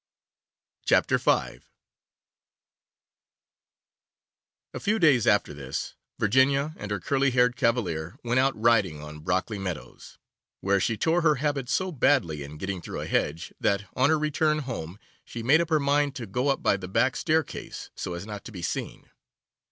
CHAPTER V A FEW days after this, Virginia and her curly haired cavalier went out riding on Brockley meadows, where she tore her habit so badly in getting through a hedge, that, on her return home, she made up her mind to go up by the back staircase so as not to be seen.